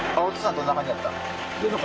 どんな感じって？